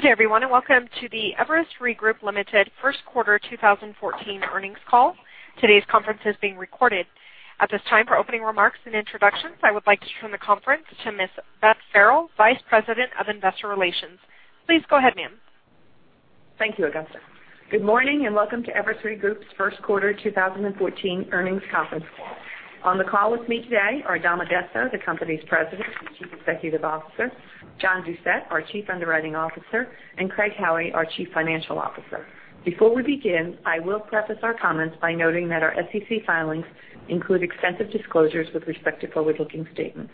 Good everyone, and welcome to the Everest Re Group, Ltd. First Quarter 2014 earnings call. Today's conference is being recorded. At this time, for opening remarks and introductions, I would like to turn the conference to Ms. Beth Burks, Vice President of Investor Relations. Please go ahead, ma'am. Thank you, Augusta. Good morning and welcome to Everest Re Group's First Quarter 2014 earnings conference call. On the call with me today are Dominic Addesso, the company's President and Chief Executive Officer, John Doucette, our Chief Underwriting Officer, and Craig Howie, our Chief Financial Officer. Before we begin, I will preface our comments by noting that our SEC filings include extensive disclosures with respect to forward-looking statements.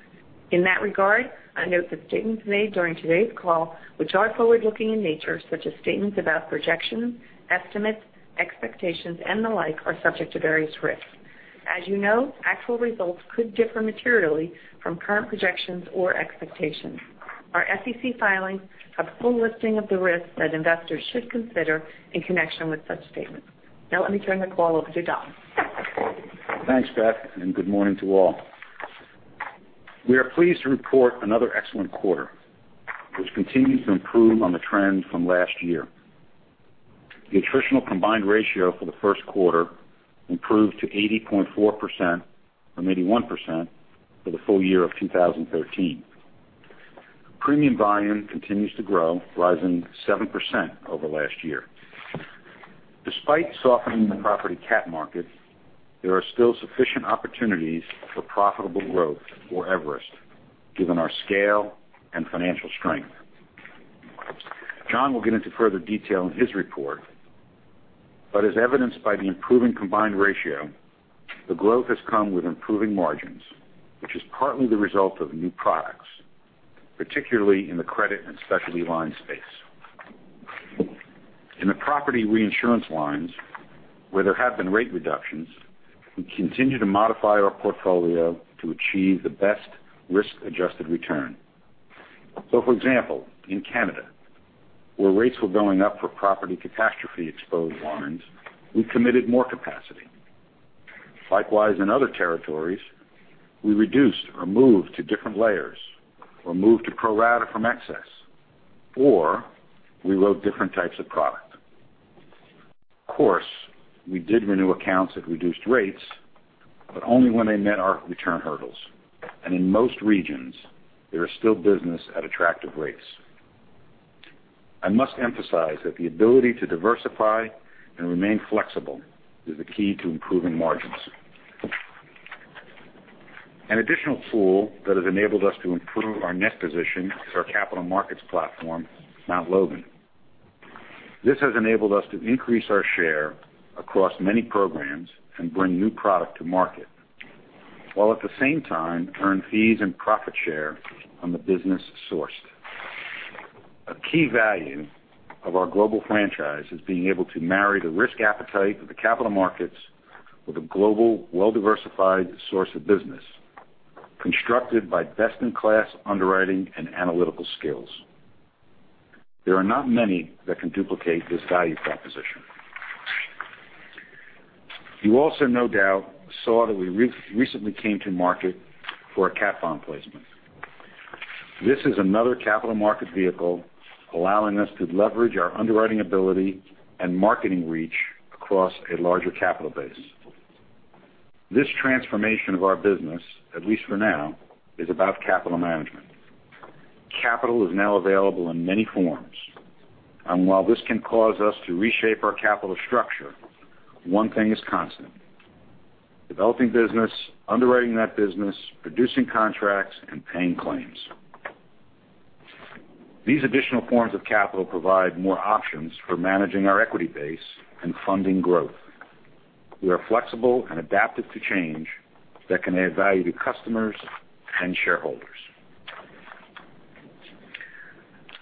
In that regard, I note that statements made during today's call, which are forward-looking in nature, such as statements about projections, estimates, expectations, and the like, are subject to various risks. As you know, actual results could differ materially from current projections or expectations. Our SEC filings have a full listing of the risks that investors should consider in connection with such statements. Let me turn the call over to Dom. Thanks, Beth, and good morning to all. We are pleased to report another excellent quarter, which continues to improve on the trend from last year. The attritional combined ratio for the first quarter improved to 80.4% from 81% for the full year of 2013. Premium volume continues to grow, rising 7% over last year. Despite softening the property cat market, there are still sufficient opportunities for profitable growth for Everest given our scale and financial strength. John will get into further detail in his report, but as evidenced by the improving combined ratio, the growth has come with improving margins, which is partly the result of new products, particularly in the credit and specialty line space. In the property reinsurance lines, where there have been rate reductions, we continue to modify our portfolio to achieve the best risk-adjusted return. For example, in Canada, where rates were going up for property catastrophe-exposed lines, we committed more capacity. Likewise, in other territories, we reduced or moved to different layers or moved to pro rata from excess, or we wrote different types of product. Of course, we did renew accounts at reduced rates, but only when they met our return hurdles. In most regions, there is still business at attractive rates. I must emphasize that the ability to diversify and remain flexible is the key to improving margins. An additional tool that has enabled us to improve our net position is our capital markets platform, Mount Logan. This has enabled us to increase our share across many programs and bring new product to market, while at the same time earn fees and profit share on the business sourced. A key value of our global franchise is being able to marry the risk appetite of the capital markets with a global, well-diversified source of business constructed by best-in-class underwriting and analytical skills. There are not many that can duplicate this value proposition. You also no doubt saw that we recently came to market for a cat bond placement. This is another capital market vehicle allowing us to leverage our underwriting ability and marketing reach across a larger capital base. This transformation of our business, at least for now, is about capital management. Capital is now available in many forms, and while this can cause us to reshape our capital structure, one thing is constant: developing business, underwriting that business, producing contracts, and paying claims. These additional forms of capital provide more options for managing our equity base and funding growth. We are flexible and adaptive to change that can add value to customers and shareholders.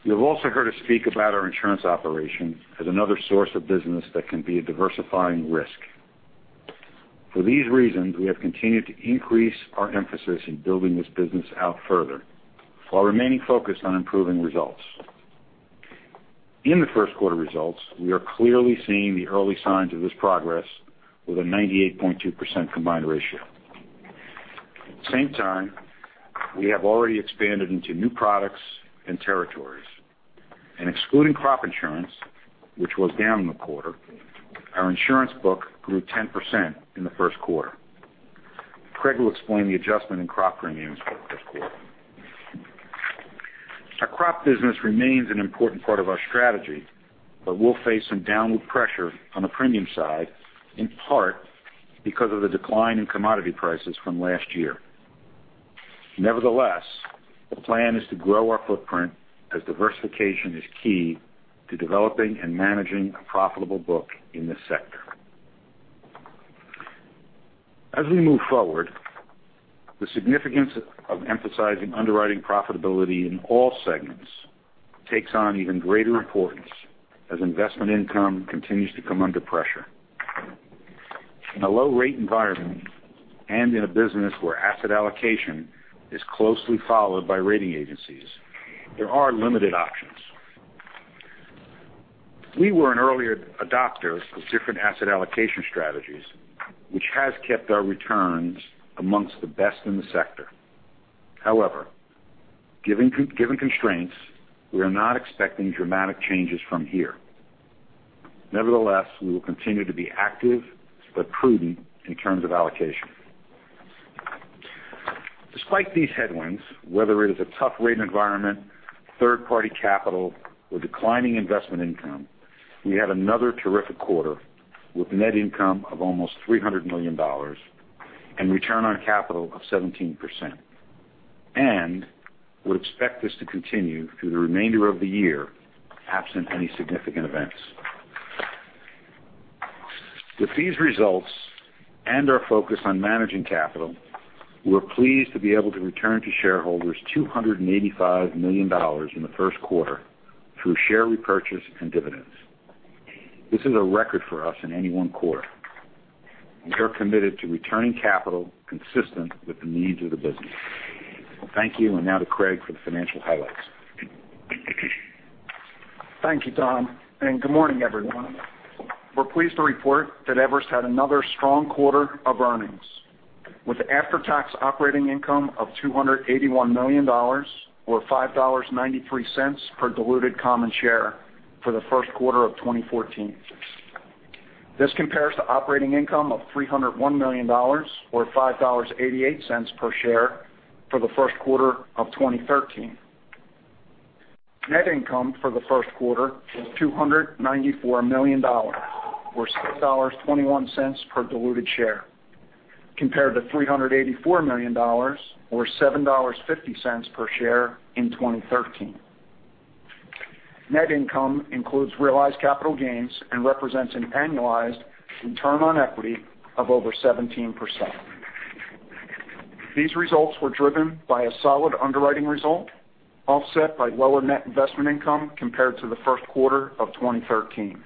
You've also heard us speak about our insurance operations as another source of business that can be a diversifying risk. For these reasons, we have continued to increase our emphasis in building this business out further while remaining focused on improving results. In the first quarter results, we are clearly seeing the early signs of this progress with a 98.2% combined ratio. At the same time, we have already expanded into new products and territories. Excluding crop insurance, which was down in the quarter, our insurance book grew 10% in the first quarter. Craig will explain the adjustment in crop premiums for the first quarter. Our crop business remains an important part of our strategy, we'll face some downward pressure on the premium side, in part because of the decline in commodity prices from last year. The plan is to grow our footprint as diversification is key to developing and managing a profitable book in this sector. As we move forward, the significance of emphasizing underwriting profitability in all segments takes on even greater importance as investment income continues to come under pressure. In a low-rate environment and in a business where asset allocation is closely followed by rating agencies, there are limited options. We were an early adopter of different asset allocation strategies, which has kept our returns amongst the best in the sector. Given constraints, we are not expecting dramatic changes from here. We will continue to be active but prudent in terms of allocation. Despite these headwinds, whether it is a tough rate environment, third-party capital, or declining investment income, we had another terrific quarter with net income of almost $300 million and return on capital of 17%. We expect this to continue through the remainder of the year, absent any significant events. With these results and our focus on managing capital, we're pleased to be able to return to shareholders $285 million in the first quarter through share repurchase and dividends. This is a record for us in any one quarter. We are committed to returning capital consistent with the needs of the business. Thank you. Now to Craig for the financial highlights. Thank you, Dom, and good morning, everyone. We're pleased to report that Everest had another strong quarter of earnings with after-tax operating income of $281 million, or $5.93 per diluted common share for the first quarter of 2014. This compares to operating income of $301 million, or $5.88 per share for the first quarter of 2013. Net income for the first quarter was $294 million, or $6.21 per diluted share, compared to $384 million, or $7.50 per share in 2013. Net income includes realized capital gains and represents an annualized return on equity of over 17%. These results were driven by a solid underwriting result, offset by lower net investment income compared to the first quarter of 2013.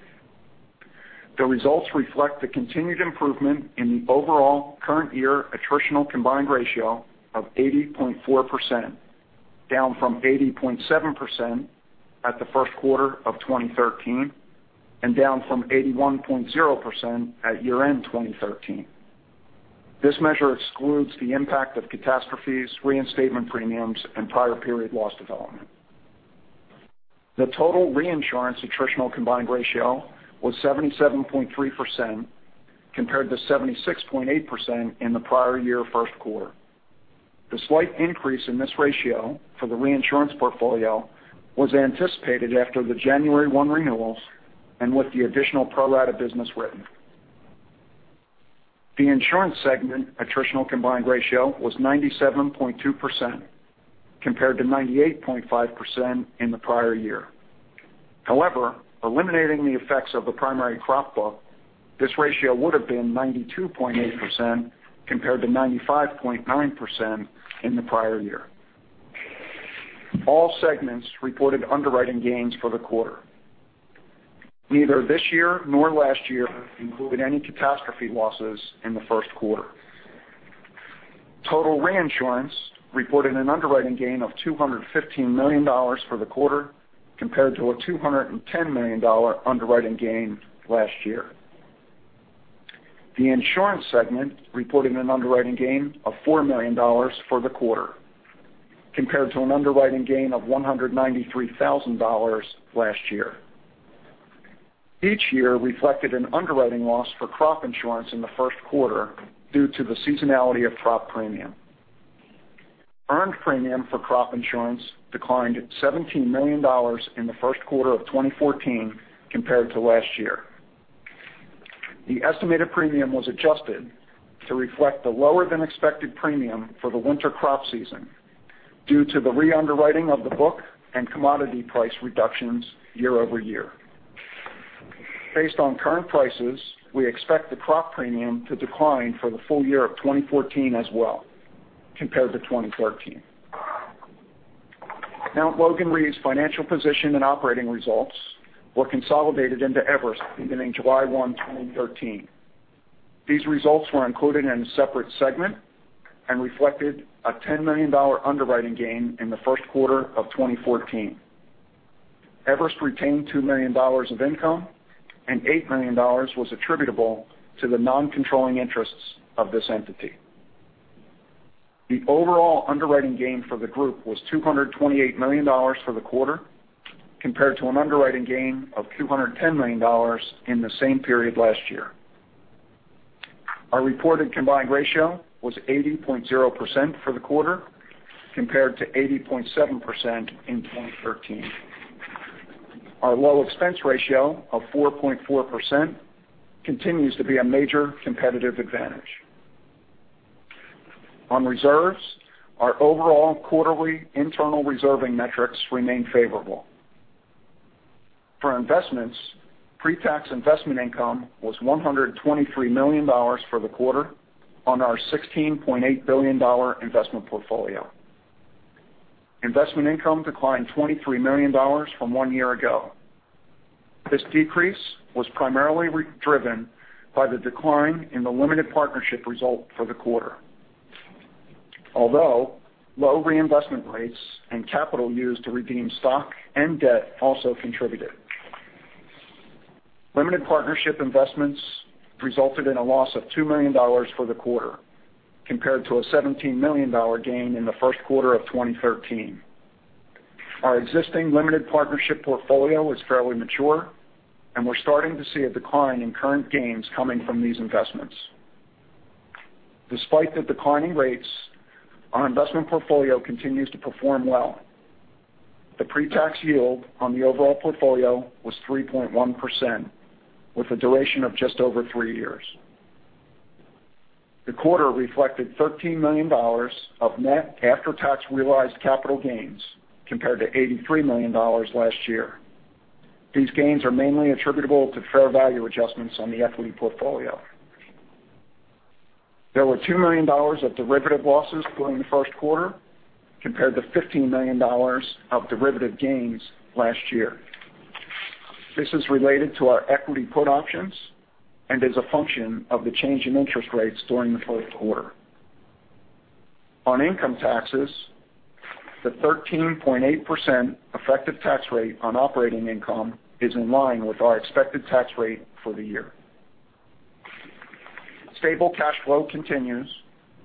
The results reflect the continued improvement in the overall current year attritional combined ratio of 80.4%, down from 80.7% at the first quarter of 2013, and down from 81.0% at year-end 2013. This measure excludes the impact of catastrophes, reinstatement premiums, and prior period loss development. The total reinsurance attritional combined ratio was 77.3%, compared to 76.8% in the prior year first quarter. The slight increase in this ratio for the reinsurance portfolio was anticipated after the January 1 renewals and with the additional pro rata business written. The insurance segment attritional combined ratio was 97.2%, compared to 98.5% in the prior year. However, eliminating the effects of the primary crop book, this ratio would have been 92.8%, compared to 95.9% in the prior year. All segments reported underwriting gains for the quarter. Neither this year nor last year included any catastrophe losses in the first quarter. Total reinsurance reported an underwriting gain of $215 million for the quarter, compared to a $210 million underwriting gain last year. The insurance segment reported an underwriting gain of $4 million for the quarter, compared to an underwriting gain of $193,000 last year. Each year reflected an underwriting loss for crop insurance in the first quarter due to the seasonality of crop premium. Earned premium for crop insurance declined $17 million in the first quarter of 2014 compared to last year. The estimated premium was adjusted to reflect the lower than expected premium for the winter crop season due to the re-underwriting of the book and commodity price reductions year-over-year. Based on current prices, we expect the crop premium to decline for the full year of 2014 as well, compared to 2013. Mt. Logan Re's financial position and operating results were consolidated into Everest beginning July 1, 2013. These results were included in a separate segment and reflected a $10 million underwriting gain in the first quarter of 2014. Everest retained $2 million of income, and $8 million was attributable to the non-controlling interests of this entity. The overall underwriting gain for the group was $228 million for the quarter, compared to an underwriting gain of $210 million in the same period last year. Our reported combined ratio was 80.0% for the quarter, compared to 80.7% in 2013. Our low expense ratio of 4.4% continues to be a major competitive advantage. On reserves, our overall quarterly internal reserving metrics remain favorable. For investments, pre-tax investment income was $123 million for the quarter on our $16.8 billion investment portfolio. Investment income declined $23 million from one year ago. This decrease was primarily driven by the decline in the limited partnership result for the quarter. Although low reinvestment rates and capital used to redeem stock and debt also contributed. Limited partnership investments resulted in a loss of $2 million for the quarter, compared to a $17 million gain in the first quarter of 2013. Our existing limited partnership portfolio is fairly mature, and we are starting to see a decline in current gains coming from these investments. Despite the declining rates, our investment portfolio continues to perform well. The pre-tax yield on the overall portfolio was 3.1%, with a duration of just over three years. The quarter reflected $13 million of net after-tax realized capital gains, compared to $83 million last year. These gains are mainly attributable to fair value adjustments on the equity portfolio. There were $2 million of derivative losses during the first quarter, compared to $15 million of derivative gains last year. This is related to our equity put options and is a function of the change in interest rates during the first quarter. On income taxes, the 13.8% effective tax rate on operating income is in line with our expected tax rate for the year. Stable cash flow continues,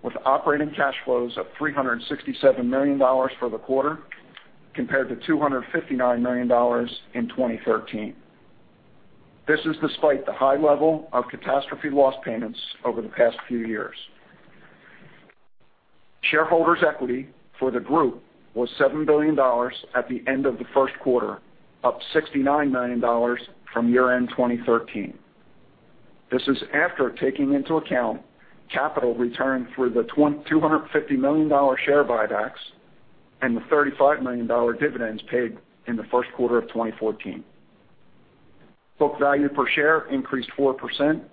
with operating cash flows of $367 million for the quarter, compared to $259 million in 2013. This is despite the high level of catastrophe loss payments over the past few years. Shareholders' equity for the group was $7 billion at the end of the first quarter, up $69 million from year-end 2013. This is after taking into account capital returned through the $250 million share buybacks and the $35 million dividends paid in the first quarter of 2014. Book value per share increased 4%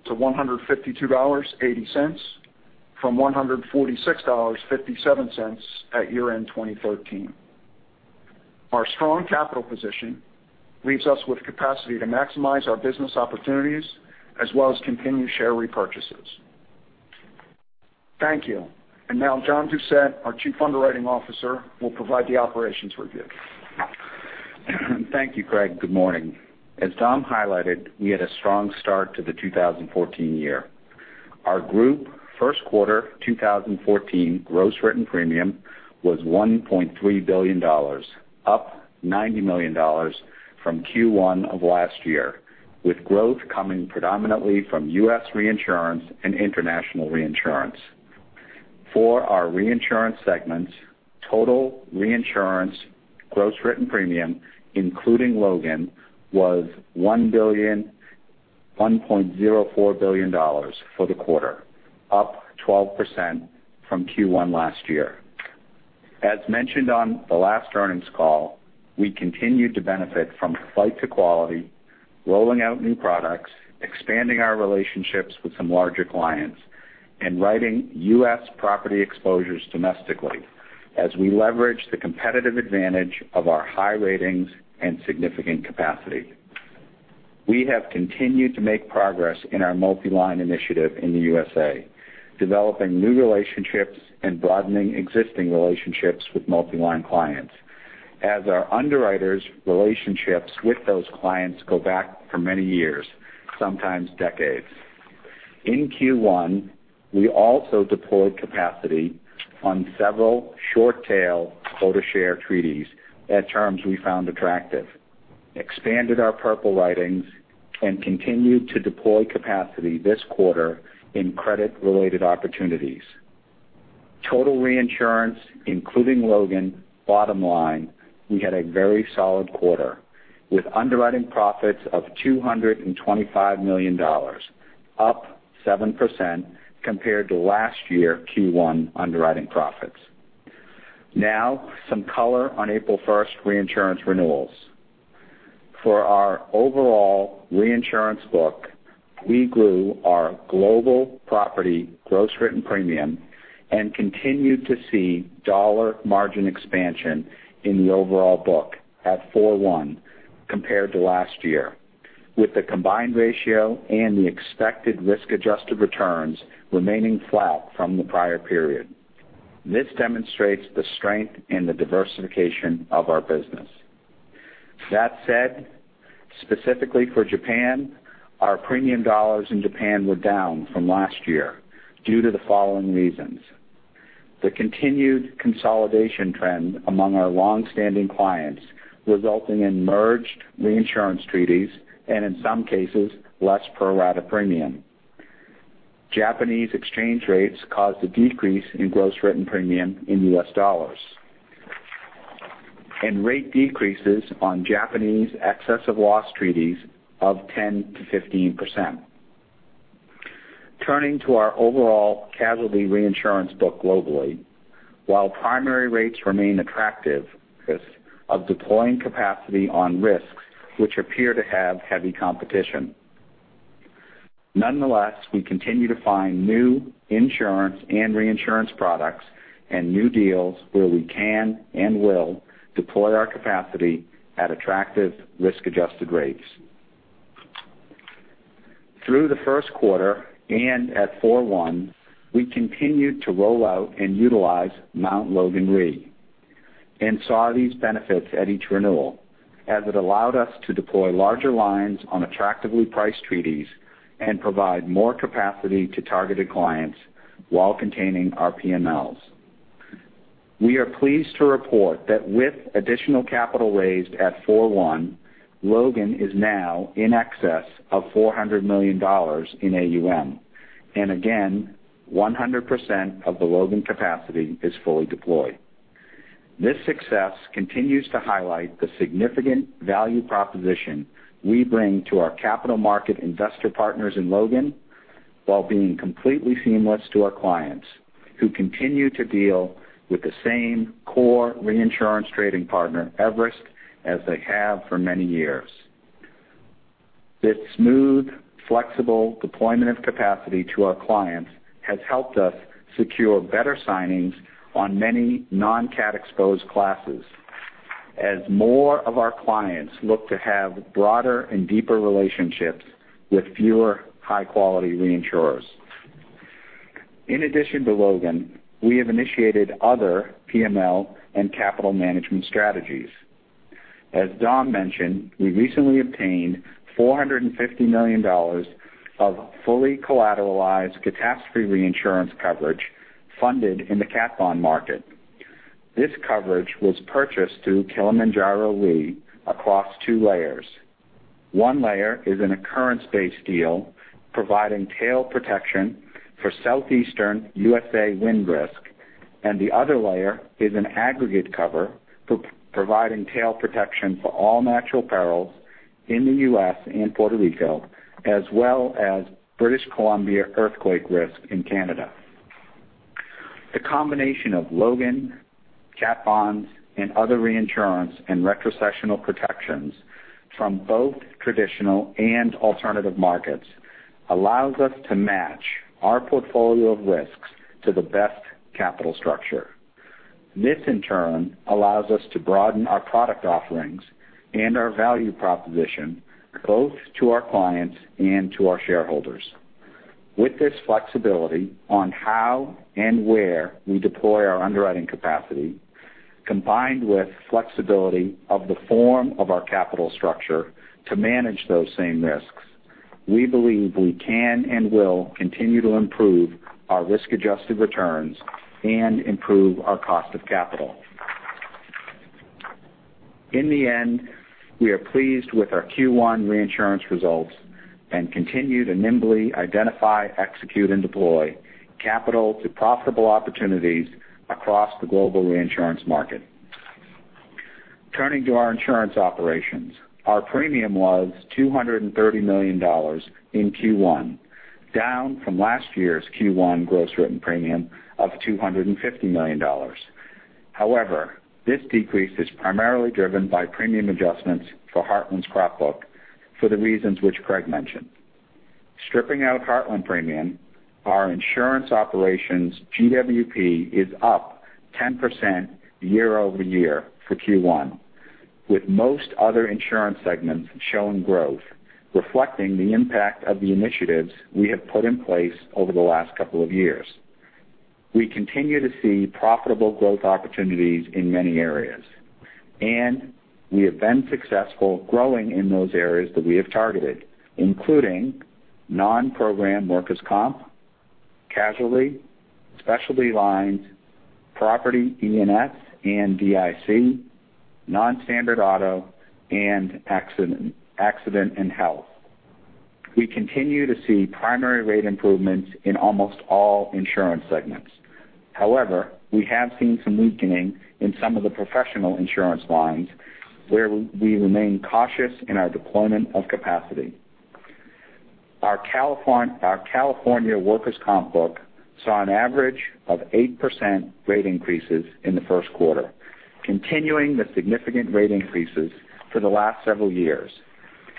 to $152.80, from $146.57 at year-end 2013. Our strong capital position leaves us with capacity to maximize our business opportunities as well as continue share repurchases. Thank you. Now John Doucette, our Chief Underwriting Officer, will provide the operations review. Thank you, Craig. Good morning. As Dom highlighted, we had a strong start to the 2014 year. Our group first quarter 2014 gross written premium was $1.3 billion, up $90 million from Q1 of last year, with growth coming predominantly from U.S. reinsurance and international reinsurance. For our reinsurance segments, total reinsurance gross written premium, including Logan, was $1.04 billion for the quarter, up 12% from Q1 last year. As mentioned on the last earnings call, we continued to benefit from flight to quality, rolling out new products, expanding our relationships with some larger clients, and writing U.S. property exposures domestically as we leverage the competitive advantage of our high ratings and significant capacity. We have continued to make progress in our multi-line initiative in the U.S.A., developing new relationships and broadening existing relationships with multi-line clients, as our underwriters' relationships with those clients go back for many years, sometimes decades. In Q1, we also deployed capacity on several short-tail quota share treaties at terms we found attractive, expanded our Portfolio writings, and continued to deploy capacity this quarter in credit-related opportunities. Total reinsurance, including Logan, bottom line, we had a very solid quarter, with underwriting profits of $225 million, up 7% compared to last year Q1 underwriting profits. Now, some color on April 1st reinsurance renewals. For our overall reinsurance book, we grew our global property gross written premium and continued to see dollar margin expansion in the overall book at 41% compared to last year, with the combined ratio and the expected risk-adjusted returns remaining flat from the prior period. This demonstrates the strength and the diversification of our business. That said, specifically for Japan, our premium dollars in Japan were down from last year due to the following reasons. The continued consolidation trend among our long-standing clients, resulting in merged reinsurance treaties and, in some cases, less pro rata premium. Japanese exchange rates caused a decrease in gross written premium in U.S. dollars. Rate decreases on Japanese excess of loss treaties of 10%-15%. Turning to our overall casualty reinsurance book globally, while primary rates remain attractive because of deploying capacity on risks which appear to have heavy competition. Nonetheless, we continue to find new insurance and reinsurance products and new deals where we can and will deploy our capacity at attractive risk-adjusted rates. Through the first quarter and at four one, we continued to roll out and utilize Mt. Logan Re and saw these benefits at each renewal as it allowed us to deploy larger lines on attractively priced treaties and provide more capacity to targeted clients while containing our PMLs. We are pleased to report that with additional capital raised at four one, Logan is now in excess of $400 million in AUM, and again, 100% of the Logan capacity is fully deployed. This success continues to highlight the significant value proposition we bring to our capital market investor partners in Logan while being completely seamless to our clients who continue to deal with the same core reinsurance trading partner, Everest, as they have for many years. This smooth, flexible deployment of capacity to our clients has helped us secure better signings on many non-cat exposed classes as more of our clients look to have broader and deeper relationships with fewer high-quality reinsurers. In addition to Logan, we have initiated other PML and capital management strategies. As Dom mentioned, we recently obtained $450 million of fully collateralized catastrophe reinsurance coverage funded in the cat bond market. This coverage was purchased through Kilimanjaro Re across two layers. One layer is an occurrence-based deal providing tail protection for Southeastern U.S.A. wind risk, and the other layer is an aggregate cover providing tail protection for all natural perils in the U.S. and Puerto Rico, as well as British Columbia earthquake risk in Canada. The combination of Logan, cat bonds, and other reinsurance and retrocessional protections from both traditional and alternative markets allows us to match our portfolio of risks to the best capital structure. This in turn allows us to broaden our product offerings and our value proposition both to our clients and to our shareholders. With this flexibility on how and where we deploy our underwriting capacity, combined with flexibility of the form of our capital structure to manage those same risks, we believe we can and will continue to improve our risk-adjusted returns and improve our cost of capital. In the end, we are pleased with our Q1 reinsurance results and continue to nimbly identify, execute, and deploy capital to profitable opportunities across the global reinsurance market. Turning to our insurance operations, our premium was $230 million in Q1, down from last year's Q1 gross written premium of $250 million. This decrease is primarily driven by premium adjustments for Heartland's crop book for the reasons which Craig mentioned. Stripping out Heartland premium, our insurance operations GWP is up 10% year-over-year for Q1, with most other insurance segments showing growth, reflecting the impact of the initiatives we have put in place over the last couple of years. We continue to see profitable growth opportunities in many areas, and we have been successful growing in those areas that we have targeted, including non-program workers' comp, casualty, specialty lines, property E&S and DIC, non-standard auto, and accident and health. We continue to see primary rate improvements in almost all insurance segments. We have seen some weakening in some of the professional insurance lines where we remain cautious in our deployment of capacity. Our California workers' comp book saw an average of 8% rate increases in the first quarter, continuing the significant rate increases for the last several years,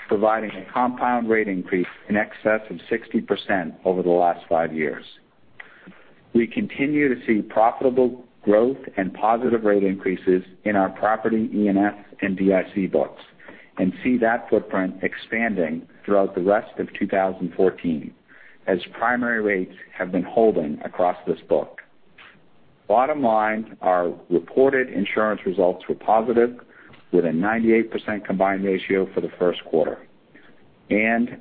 providing a compound rate increase in excess of 60% over the last five years. We continue to see profitable growth and positive rate increases in our property E&S and DIC books and see that footprint expanding throughout the rest of 2014 as primary rates have been holding across this book. Bottom line, our reported insurance results were positive with a 98% combined ratio for the first quarter.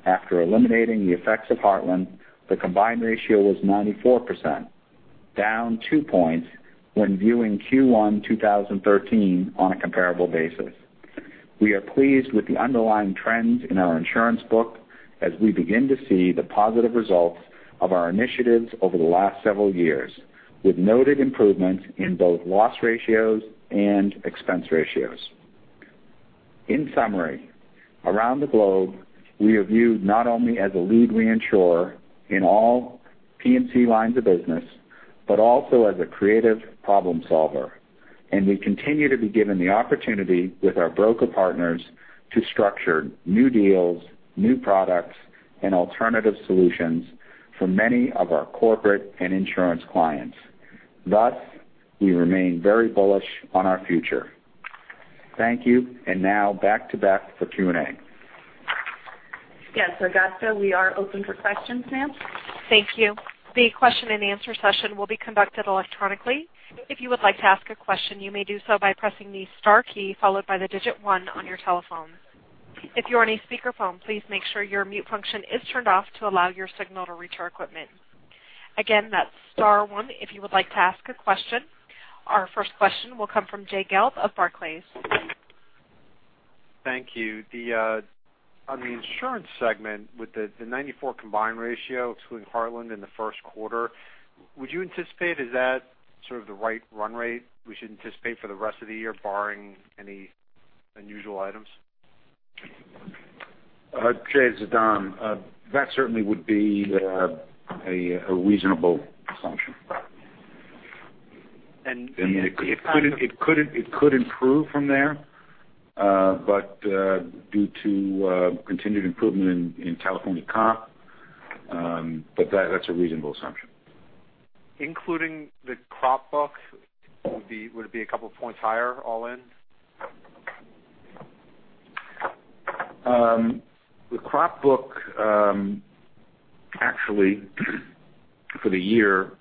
After eliminating the effects of Heartland, the combined ratio was 94%, down two points when viewing Q1 2013 on a comparable basis. We are pleased with the underlying trends in our insurance book as we begin to see the positive results of our initiatives over the last several years, with noted improvements in both loss ratios and expense ratios. In summary, around the globe, we are viewed not only as a lead reinsurer in all P&C lines of business, but also as a creative problem solver, and we continue to be given the opportunity with our broker partners to structure new deals, new products, and alternative solutions for many of our corporate and insurance clients. We remain very bullish on our future. Thank you. Now back to Beth for Q&A. Yes, Augusta, we are open for questions, ma'am. Thank you. The question and answer session will be conducted electronically. If you would like to ask a question, you may do so by pressing the star key followed by the digit one on your telephone. If you're on a speakerphone, please make sure your mute function is turned off to allow your signal to reach our equipment. Again, that's star one if you would like to ask a question. Our first question will come from Jay Gelb of Barclays. Thank you. On the insurance segment, with the 94 combined ratio excluding Heartland in the first quarter, is that sort of the right run rate we should anticipate for the rest of the year, barring any unusual items? Jay, this is Dom. That certainly would be a reasonable assumption. And- It could improve from there, due to continued improvement in California comp. That's a reasonable assumption. Including the crop book, would it be a couple points higher all in? The crop book, actually for the year,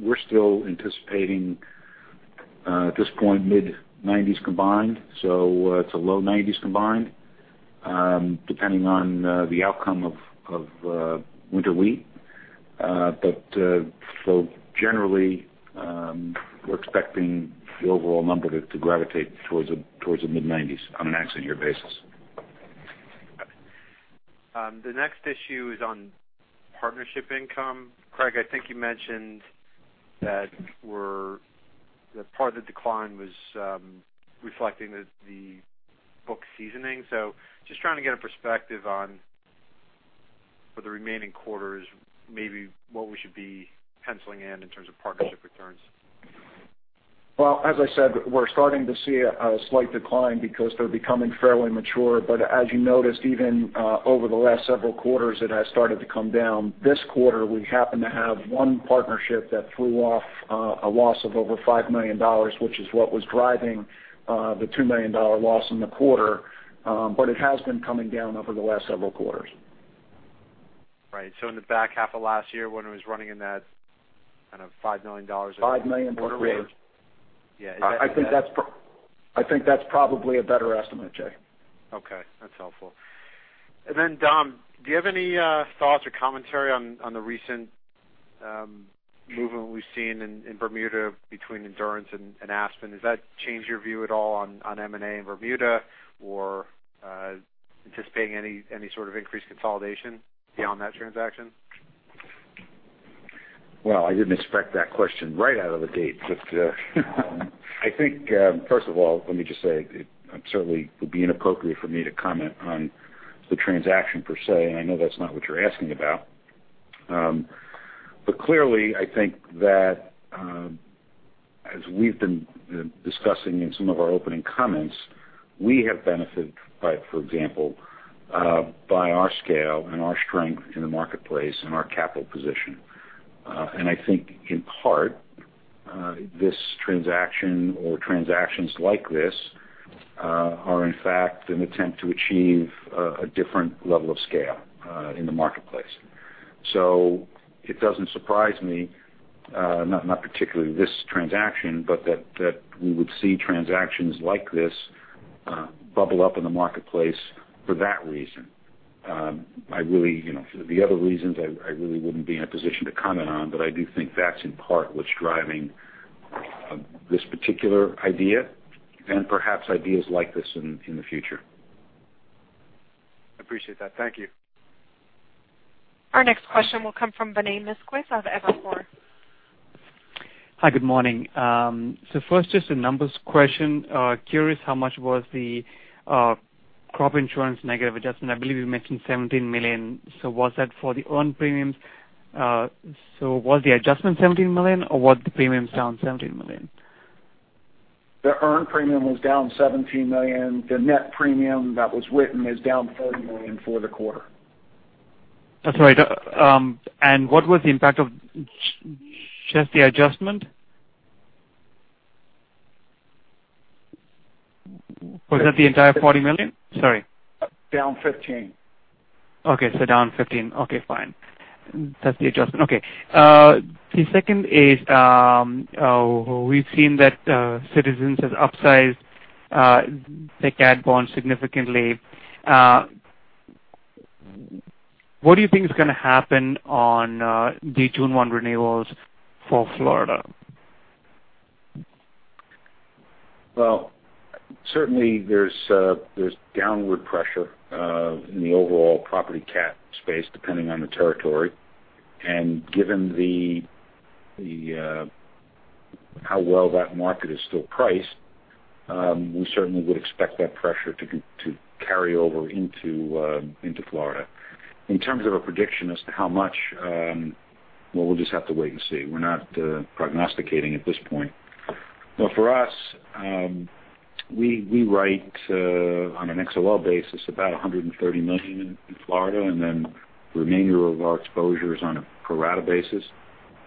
we're still anticipating at this point mid-nineties combined. To low nineties combined, depending on the outcome of winter wheat. Generally, we're expecting the overall number to gravitate towards the mid-nineties on an actual year basis. The next issue is on partnership income. Craig, I think you mentioned that part of the decline was reflecting the book seasoning. Just trying to get a perspective on, for the remaining quarters, maybe what we should be penciling in in terms of partnership returns. Well, as I said, we're starting to see a slight decline because they're becoming fairly mature. As you noticed, even over the last several quarters, it has started to come down. This quarter, we happen to have one partnership that threw off a loss of over $5 million, which is what was driving the $2 million loss in the quarter. It has been coming down over the last several quarters. Right. In the back half of last year when it was running in that kind of $5 million. $5 million per quarter. Yeah. I think that's probably a better estimate, Jay. Okay, that's helpful. Dom, do you have any thoughts or commentary on the recent movement we've seen in Bermuda between Endurance and Aspen? Does that change your view at all on M&A in Bermuda or anticipating any sort of increased consolidation beyond that transaction? Well, I didn't expect that question right out of the gate. I think, first of all, let me just say it certainly would be inappropriate for me to comment on the transaction per se, and I know that's not what you're asking about. Clearly, I think that, as we've been discussing in some of our opening comments, we have benefited by, for example, by our scale and our strength in the marketplace and our capital position. I think in part, this transaction or transactions like this are in fact an attempt to achieve a different level of scale in the marketplace. It doesn't surprise me, not particularly this transaction, but that we would see transactions like this bubble up in the marketplace for that reason. The other reasons I really wouldn't be in a position to comment on, but I do think that's in part what's driving this particular idea and perhaps ideas like this in the future. I appreciate that. Thank you. Our next question will come from Vinay Misquith of Evercore. Hi, good morning. First, just a numbers question. Curious how much was the crop insurance negative adjustment? I believe you mentioned $17 million. Was that for the earned premiums? Was the adjustment $17 million, or was the premiums down $17 million? The earned premium was down $17 million. The net premium that was written is down $40 million for the quarter. That's right. What was the impact of just the adjustment? Was that the entire $40 million? Sorry. Down $15. Okay, down $15. Okay, fine. That's the adjustment. Okay. The second is, we've seen that Citizens has upsized the cat bond significantly. What do you think is going to happen on the June 1 renewals for Florida? Well, certainly there's downward pressure in the overall property cat space, depending on the territory. Given how well that market is still priced, we certainly would expect that pressure to carry over into Florida. In terms of a prediction as to how much, well, we'll just have to wait and see. We're not prognosticating at this point. For us, we write on an XOL basis about $130 million in Florida, then the remainder of our exposure is on a pro rata basis.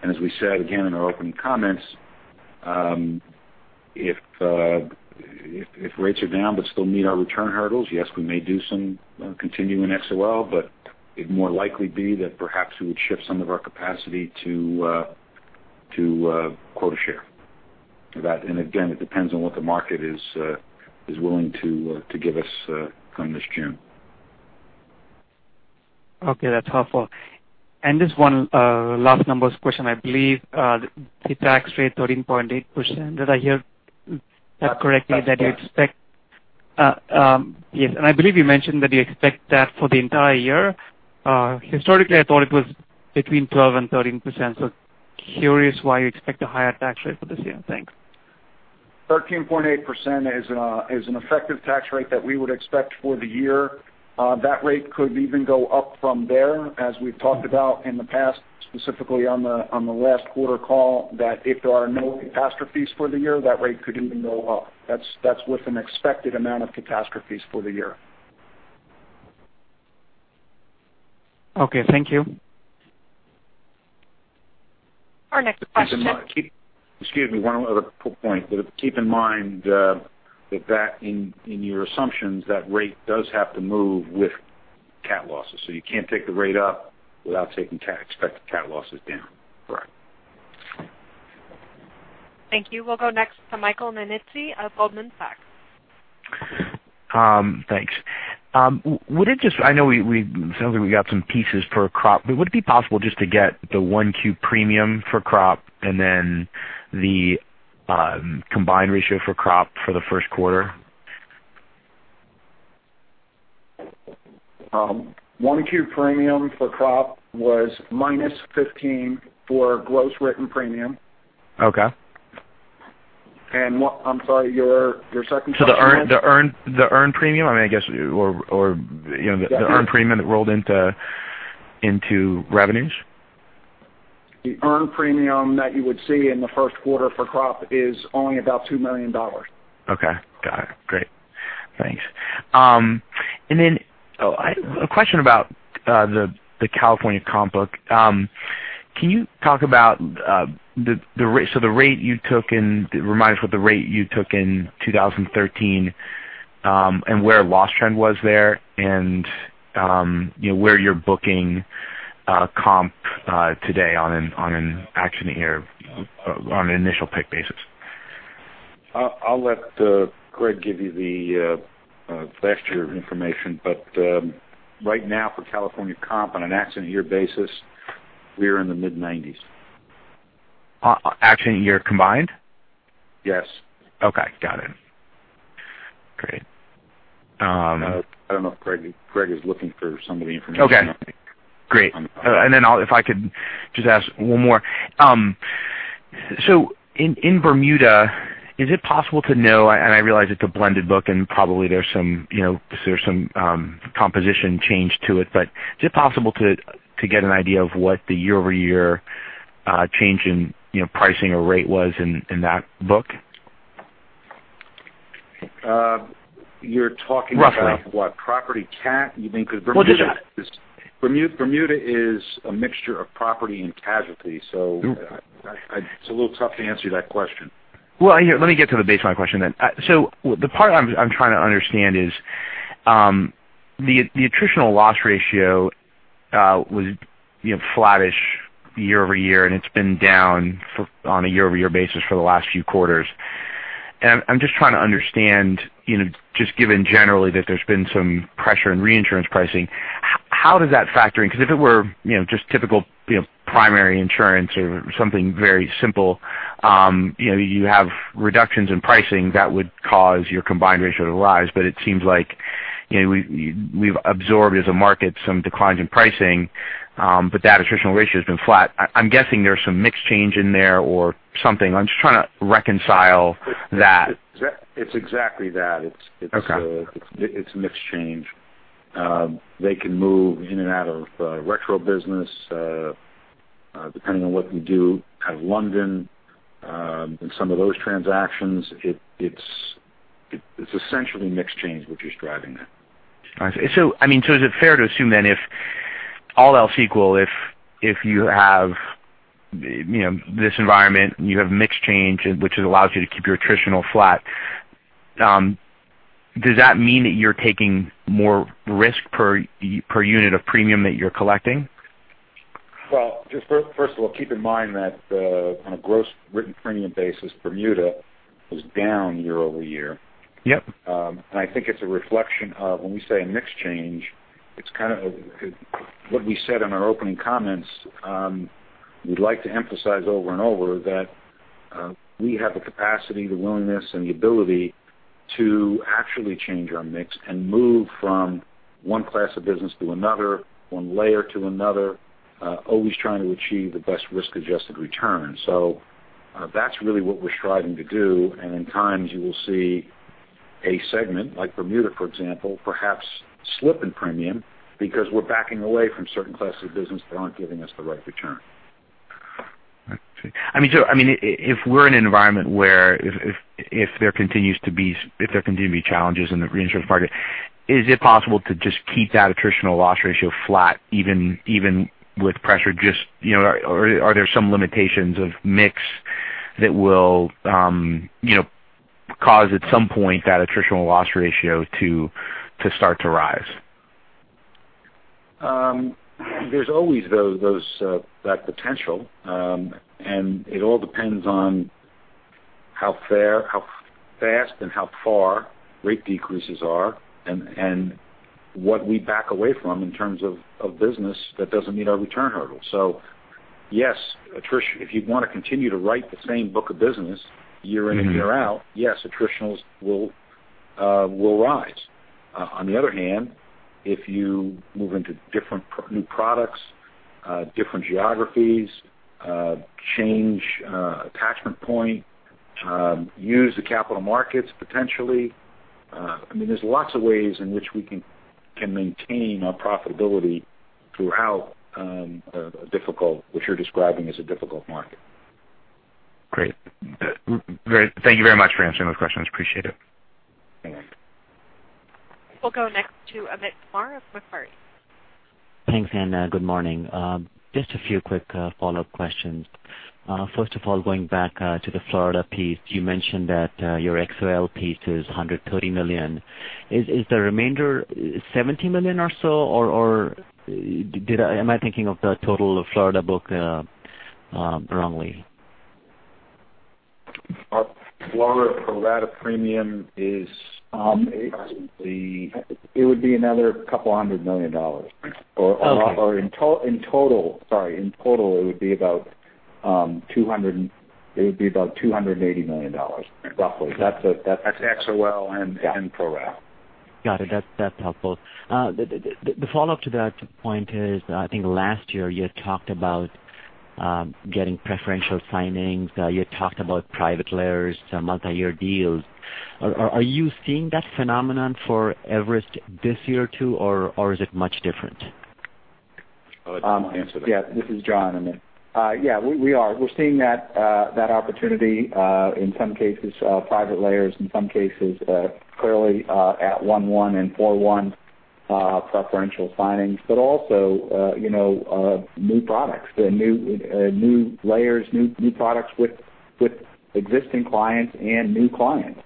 As we said again in our opening comments, if rates are down but still meet our return hurdles, yes, we may do some continuing XOL, but it'd more likely be that perhaps we would shift some of our capacity to quota share. Again, it depends on what the market is willing to give us come this June. Okay. That's helpful. Just one last numbers question. I believe the tax rate, 13.8%. Did I hear that correctly? That's correct. Yes. I believe you mentioned that you expect that for the entire year. Historically, I thought it was between 12% and 13%. Curious why you expect a higher tax rate for this year. Thanks. 13.8% is an effective tax rate that we would expect for the year. That rate could even go up from there, as we've talked about in the past, specifically on the last quarter call, that if there are no catastrophes for the year, that rate could even go up. That's with an expected amount of catastrophes for the year. Okay, thank you. Our next question. Excuse me, one other point. Keep in mind that in your assumptions, that rate does have to move with cat losses. You can't take the rate up without taking expected cat losses down. Correct. Thank you. We'll go next to Michael Nannizzi of Goldman Sachs. Thanks. I know it sounds like we got some pieces for crop, but would it be possible just to get the Q1 premium for crop and then the combined ratio for crop for the first quarter? Q1 premium for crop was -15% for gross written premium. Okay. I'm sorry, your second question was? The earned premium, I guess, or the earned premium that rolled into revenues. The earned premium that you would see in the first quarter for crop is only about $2 million. Okay, got it. Great. Thanks. A question about the California comp book. Remind us what the rate you took in 2013, and where loss trend was there, and where you're booking comp today on an accident year on an initial pick basis. I'll let Craig give you the last year information, but right now for California comp, on an accident year basis, we're in the mid-90s%. Accident year combined? Yes. Okay, got it. Great. I don't know if Craig is looking for some of the information. Okay, great. If I could just ask one more. In Bermuda, is it possible to know, and I realize it's a blended book and probably there's some composition change to it, but is it possible to get an idea of what the year-over-year change in pricing or rate was in that book? You're talking about? Roughly. What, property cat? You mean because Bermuda. We'll do that. Bermuda is a mixture of property and casualty, so it's a little tough to answer that question. Well, let me get to the baseline question then. The part I'm trying to understand is the attritional loss ratio was flattish year-over-year, and it's been down on a year-over-year basis for the last few quarters. I'm just trying to understand, just given generally that there's been some pressure in reinsurance pricing, how does that factor in? If it were just typical primary insurance or something very simple, you have reductions in pricing that would cause your combined ratio to rise, but it seems like we've absorbed as a market some declines in pricing. That attritional ratio has been flat. I'm guessing there's some mix change in there or something. I'm just trying to reconcile that. It's exactly that. Okay. It's mix change. They can move in and out of retro business depending on what you do out of London. In some of those transactions, it's essentially mix change which is driving that. I see. Is it fair to assume then if all else equal, if you have this environment, you have mix change, which allows you to keep your attritional flat, does that mean that you're taking more risk per unit of premium that you're collecting? Well, just first of all, keep in mind that on a gross written premium basis, Bermuda was down year-over-year. Yep. I think it's a reflection of when we say a mix change, it's kind of what we said in our opening comments. We'd like to emphasize over and over that we have the capacity, the willingness, and the ability to actually change our mix and move from one class of business to another, one layer to another, always trying to achieve the best risk-adjusted return. That's really what we're striving to do. In times you will see a segment like Bermuda, for example, perhaps slip in premium because we're backing away from certain classes of business that aren't giving us the right return. I see. If we're in an environment where if there continue to be challenges in the reinsurance market, is it possible to just keep that attritional loss ratio flat even with pressure, or are there some limitations of mix that will cause, at some point, that attritional loss ratio to start to rise? There's always that potential, and it all depends on how fast and how far rate decreases are and what we back away from in terms of business that doesn't meet our return hurdle. Yes, if you want to continue to write the same book of business year in and year out, yes, attritionals will rise. On the other hand, if you move into different new products, different geographies, change attachment point, use the capital markets, potentially. There's lots of ways in which we can maintain our profitability throughout what you're describing as a difficult market. Great. Thank you very much for answering those questions. Appreciate it. Thanks. We'll go next to Amit Kumar of Macquarie. Thanks, Operator, Good morning. Just a few quick follow-up questions. First of all, going back to the Florida piece, you mentioned that your XOL piece is $130 million. Is the remainder $70 million or so, or am I thinking of the total Florida book wrongly? Our Florida pro rata premium is. It would be another $200 million. Okay. In total, it would be about $280 million, roughly. That's XOL and pro rata. Got it. That's helpful. The follow-up to that point is, I think last year you had talked about getting preferential signings. You had talked about private layers, multi-year deals. Are you seeing that phenomenon for Everest this year too, or is it much different? Oh, do you want to answer that? This is John, Amit. We are seeing that opportunity, in some cases private layers, in some cases clearly at 1-1 and 4-1 preferential signings, but also new products, new layers, new products with existing clients and new clients.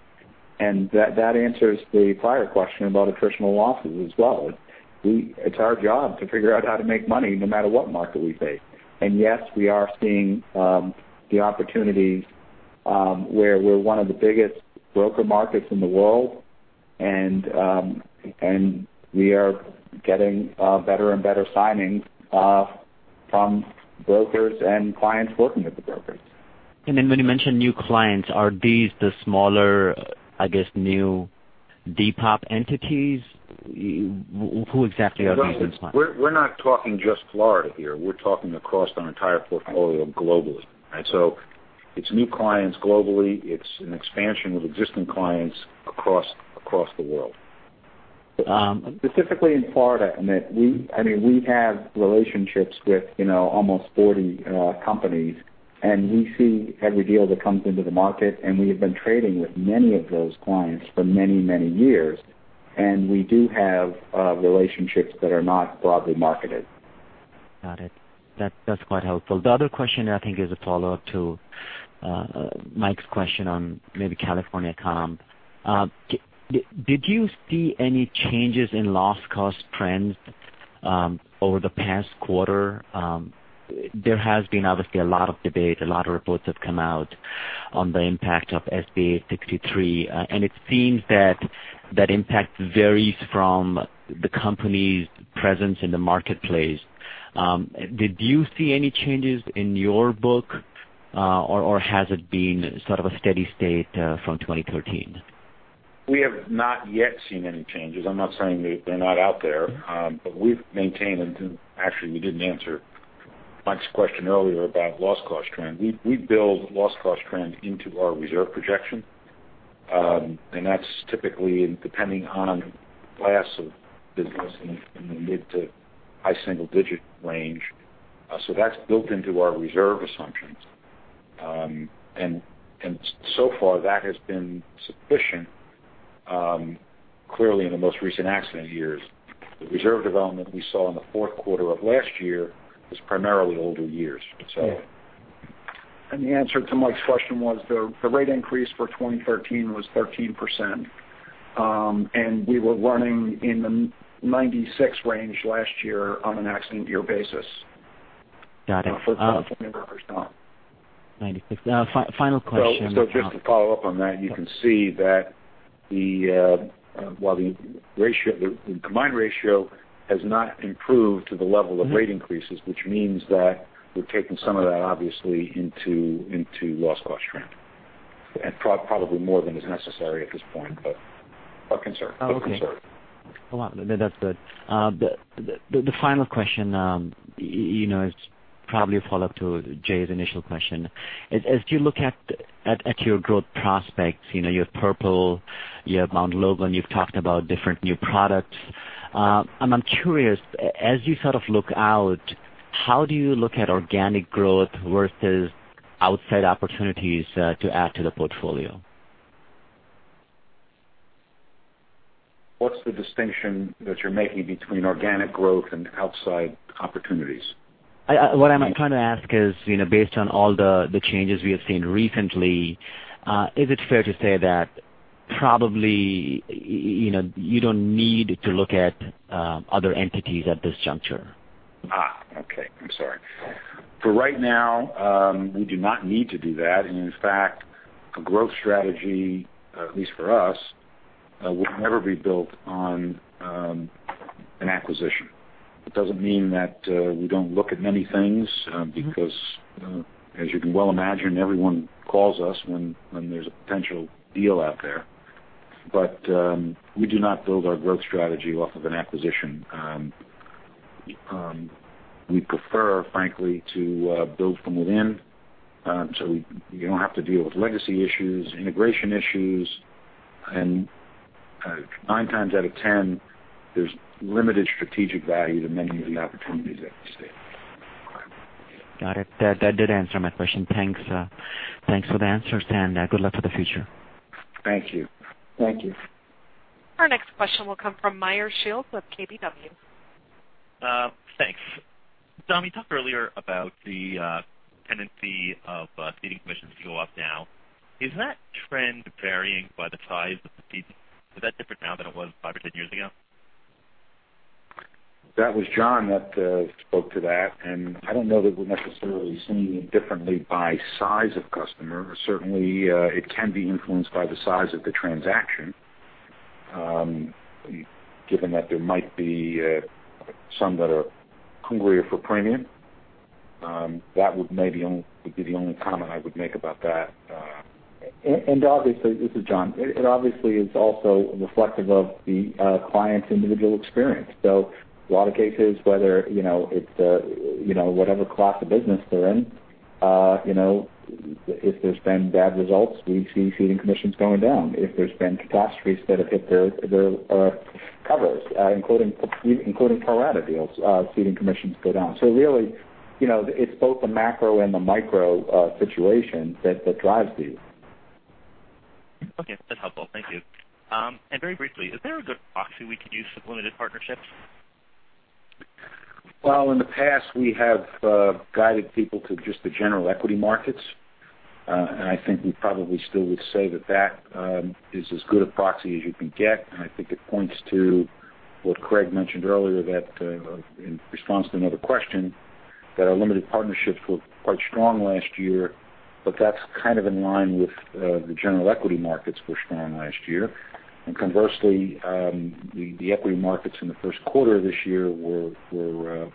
That answers the prior question about attritional losses as well. It's our job to figure out how to make money no matter what market we face. Yes, we are seeing the opportunities where we're one of the biggest broker markets in the world, and we are getting better and better signings from brokers and clients working with the brokers. When you mention new clients, are these the smaller, I guess, new depop entities? Who exactly are these new clients? We're not talking just Florida here. We're talking across our entire portfolio globally. It's new clients globally. It's an expansion of existing clients across the world. Specifically in Florida, Amit, we have relationships with almost 40 companies. We see every deal that comes into the market. We have been trading with many of those clients for many, many years. We do have relationships that are not broadly marketed. Got it. That's quite helpful. The other question, I think, is a follow-up to Mike's question on maybe California comp. Did you see any changes in loss cost trends over the past quarter? There has been, obviously, a lot of debate. A lot of reports have come out on the impact of SB 863. It seems that that impact varies from the company's presence in the marketplace. Did you see any changes in your book, or has it been sort of a steady state from 2013? We have not yet seen any changes. I'm not saying they're not out there, but we've maintained. Actually, we didn't answer Mike's question earlier about loss cost trend. We build loss cost trend into our reserve projection, and that's typically depending on class of business in the mid to high single-digit range. That's built into our reserve assumptions. So far, that has been sufficient, clearly in the most recent accident years. The reserve development we saw in the fourth quarter of last year was primarily older years. The answer to Mike's question was the rate increase for 2013 was 13%, and we were running in the 96 range last year on an accident year basis. Got it. For California workers' comp. 96. Final question. Just to follow up on that, you can see that while the combined ratio has not improved to the level of rate increases, which means that we're taking some of that, obviously, into loss cost trend, and probably more than is necessary at this point, but concerned. Okay. concerned. No, that's good. The final question, it's probably a follow-up to Jay's initial question. As you look at your growth prospects, you have Purple, you have Mt. Logan, you've talked about different new products. I'm curious, as you look out, how do you look at organic growth versus outside opportunities to add to the portfolio? What's the distinction that you're making between organic growth and outside opportunities? What I'm trying to ask is, based on all the changes we have seen recently, is it fair to say that probably, you don't need to look at other entities at this juncture? Okay. I'm sorry. For right now, we do not need to do that. In fact, a growth strategy, at least for us, will never be built on an acquisition. It doesn't mean that we don't look at many things because, as you can well imagine, everyone calls us when there's a potential deal out there. We do not build our growth strategy off of an acquisition. We prefer, frankly, to build from within so you don't have to deal with legacy issues, integration issues, and nine times out of 10, there's limited strategic value to many of the opportunities at this stage. Got it. That did answer my question. Thanks for the answers and good luck for the future. Thank you. Our next question will come from Meyer Shields with KBW. Thanks. Dom, you talked earlier about the tendency of ceding commissions to go up now. Is that trend varying by the size of the cedant? Is that different now than it was five or 10 years ago? That was John that spoke to that. I don't know that we're necessarily seeing it differently by size of customer. Certainly, it can be influenced by the size of the transaction, given that there might be some that are hungrier for premium. That would maybe only be the only comment I would make about that. Obviously, this is John. It obviously is also reflective of the client's individual experience. A lot of cases, whether it's whatever class of business they're in, if there's been bad results, we see ceding commissions going down. If there's been catastrophes that have hit their covers, including Colorado deals, ceding commissions go down. Really, it's both the macro and the micro situation that drives these. Okay. That's helpful. Thank you. Very briefly, is there a good proxy we could use for limited partnerships? Well, in the past, we have guided people to just the general equity markets. I think we probably still would say that that is as good a proxy as you can get. I think it points to what Craig mentioned earlier in response to another question, that our limited partnerships were quite strong last year, but that's kind of in line with the general equity markets were strong last year. Conversely, the equity markets in the first quarter of this year were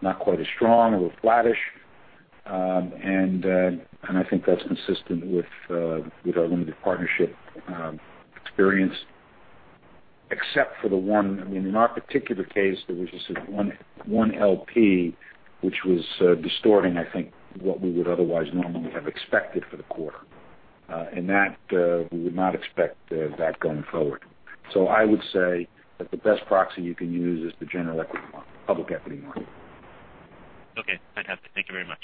not quite as strong or were flattish. I think that's consistent with our limited partnership experience, except for the one. In our particular case, there was just one LP, which was distorting, I think, what we would otherwise normally have expected for the quarter. That we would not expect that going forward. I would say that the best proxy you can use is the general equity market, public equity market. Okay. Fantastic. Thank you very much.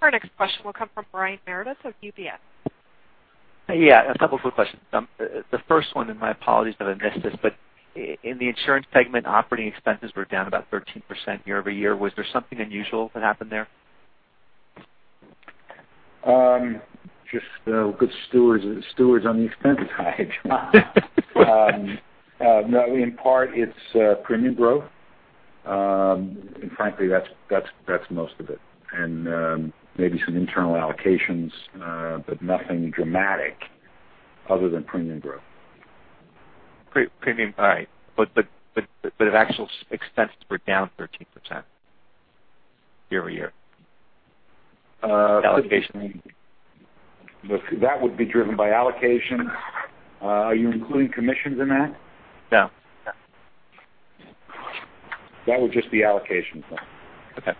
Our next question will come from Brian Meredith of UBS. Yeah, a couple of quick questions. The first one, my apologies that I missed this, in the insurance segment, operating expenses were down about 13% year-over-year. Was there something unusual that happened there? Just good stewards on the expenses side. No, in part, it's premium growth. Frankly, that's most of it. Maybe some internal allocations, nothing dramatic other than premium growth. Premium. All right. Actual expenses were down 13% year-over-year. Allocations. That would be driven by allocations. Are you including commissions in that? No. That would just be allocations then. Okay.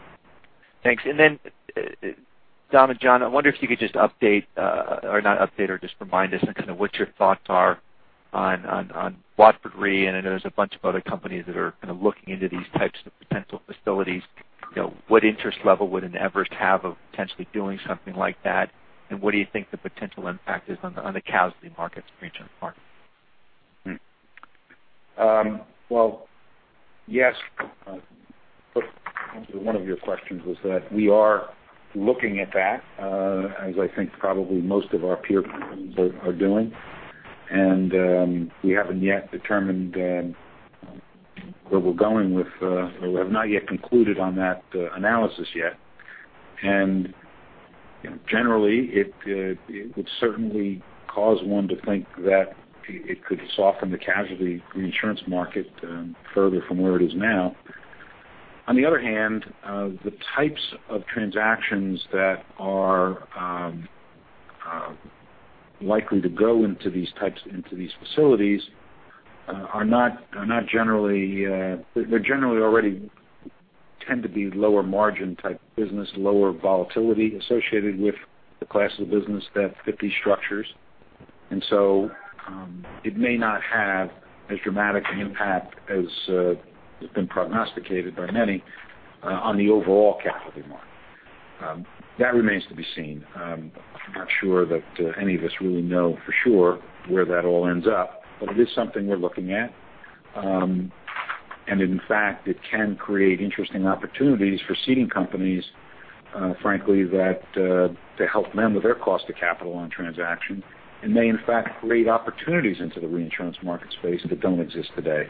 Thanks. Then, Dom and John, I wonder if you could just update, or not update, or just remind us kind of what your thoughts are on Watford Re, I know there's a bunch of other companies that are kind of looking into these types of potential facilities. What interest level would an Everest have of potentially doing something like that? What do you think the potential impact is on the casualty markets, reinsurance markets? Well, yes. One of your questions was that we are looking at that, as I think probably most of our peer groups are doing. We haven't yet determined where we're going with or have not yet concluded on that analysis yet. Generally, it would certainly cause one to think that it could soften the casualty reinsurance market further from where it is now. On the other hand, the types of transactions that are likely to go into these facilities are not generally, They're generally already tend to be lower margin type business, lower volatility associated with the class of business that fit these structures. So it may not have as dramatic an impact as has been prognosticated by many on the overall capital market. That remains to be seen. I'm not sure that any of us really know for sure where that all ends up, but it is something we're looking at. In fact, it can create interesting opportunities for ceding companies, frankly, to help them with their cost of capital on transactions, and may in fact create opportunities into the reinsurance market space that don't exist today.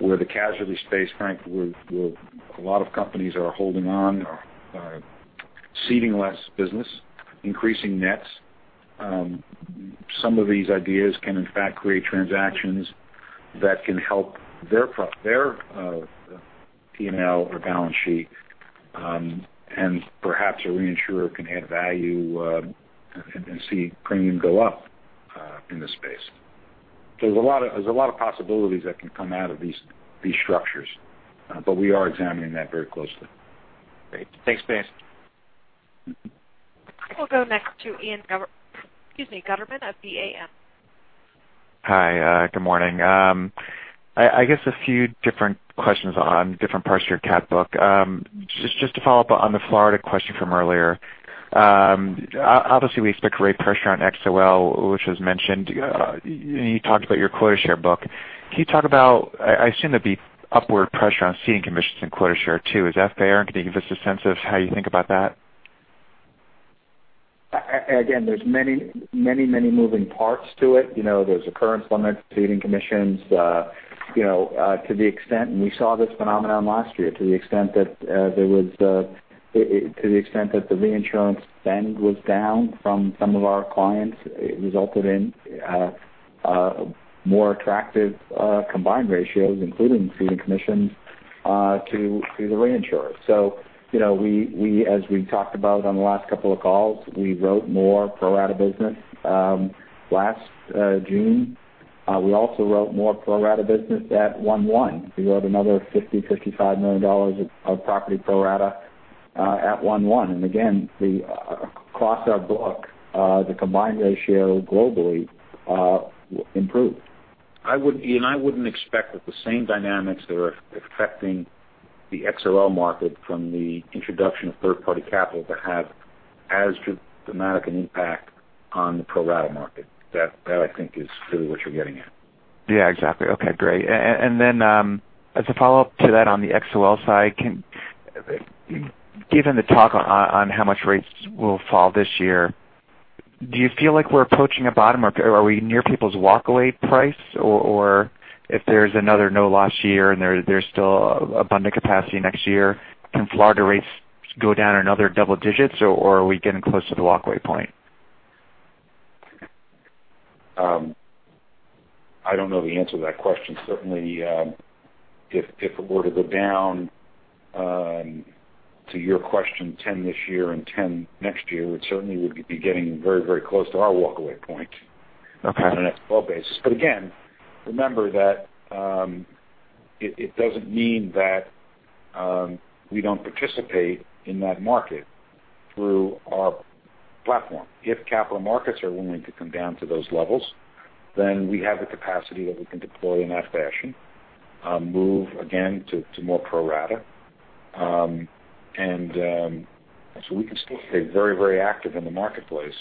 Where the casualty space, frankly, a lot of companies are holding on or are ceding less business, increasing nets. Some of these ideas can, in fact, create transactions that can help their P&L or balance sheet. Perhaps a reinsurer can add value, and see premium go up in this space. There's a lot of possibilities that can come out of these structures, but we are examining that very closely. Great. Thanks then. We'll go next to Ian Gutterman of BAM. Hi. Good morning. I guess a few different questions on different parts of your cat book. Just to follow up on the Florida question from earlier. Obviously, we expect great pressure on XOL, which was mentioned. You talked about your quota share book. I assume there'd be upward pressure on ceding commissions in quota share, too. Is that fair? Can you give us a sense of how you think about that? Again, there's many moving parts to it. There's occurrence limits, ceding commissions. We saw this phenomenon last year to the extent that the reinsurance spend was down from some of our clients. It resulted in more attractive combined ratios, including ceding commissions to the reinsurer. As we talked about on the last couple of calls, we wrote more pro-rata business last June. We also wrote more pro-rata business at one-one. We wrote another $50 million-$55 million of property pro-rata at one-one. Again, across our book, the combined ratio globally improved. Ian, I wouldn't expect that the same dynamics that are affecting the XOL market from the introduction of third-party capital to have as dramatic an impact on the pro-rata market. That, I think, is really what you're getting at. Yeah, exactly. Okay, great. Then as a follow-up to that on the XOL side, given the talk on how much rates will fall this year, do you feel like we're approaching a bottom or are we near people's walkaway price? If there's another no loss year and there's still abundant capacity next year, can Florida rates go down another double-digits, or are we getting close to the walkaway point? I don't know the answer to that question. Certainly, if it were to go down, to your question, 10 this year and 10 next year, it certainly would be getting very close to our walkaway point. Okay On an XOL basis. Again, remember that it doesn't mean that we don't participate in that market through our platform. If capital markets are willing to come down to those levels, then we have the capacity that we can deploy in that fashion. Move again to more pro-rata. We can still stay very active in the marketplace,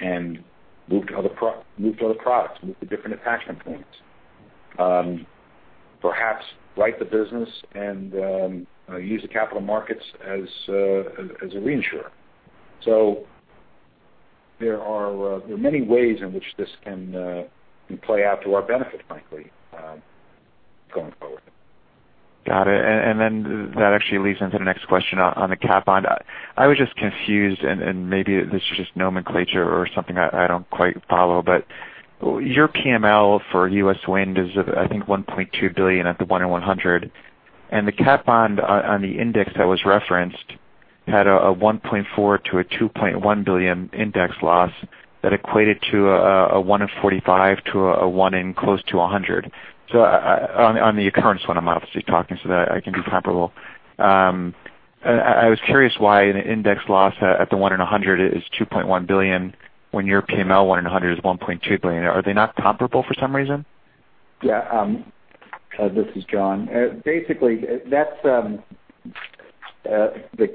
and move to other products, move to different attachment points. Perhaps write the business and use the capital markets as a reinsurer. There are many ways in which this can play out to our benefit, frankly, going forward. Got it. That actually leads into the next question on the cat bond. I was just confused, and maybe this is just nomenclature or something I don't quite follow, but your PML for U.S. wind is, I think, $1.2 billion at the one in 100. The cat bond on the index that was referenced had a $1.4 billion-$2.1 billion index loss that equated to a one in 45 to a one in close to 100. On the occurrence one, I'm obviously talking to that, I can be comparable. I was curious why an index loss at the one in 100 is $2.1 billion when your PML one in 100 is $1.2 billion. Are they not comparable for some reason? Yeah. This is John. The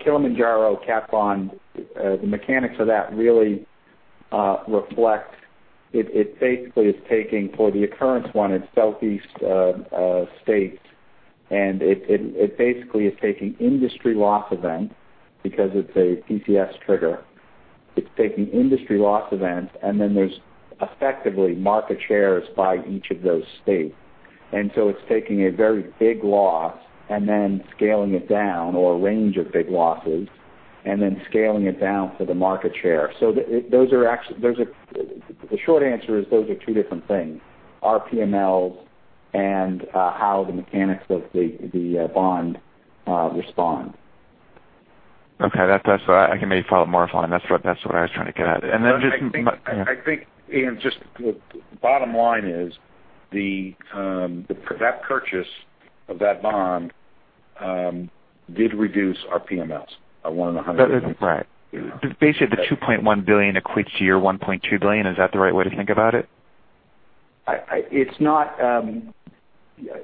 Kilimanjaro cat bond, the mechanics of that really reflect, it basically is taking for the occurrence one in Southeast states, it basically is taking industry loss event because it's a PCS trigger. It's taking industry loss events, then there's effectively market shares by each of those states. It's taking a very big loss and then scaling it down or a range of big losses, and then scaling it down to the market share. The short answer is those are two different things, our PMLs and how the mechanics of the bond respond. Okay. That's what I can maybe follow up more on. That's what I was trying to get at. I think, Ian, just the bottom line is that purchase of that bond did reduce our PML by 100. Right. Basically, the $2.1 billion equates to your $1.2 billion. Is that the right way to think about it? The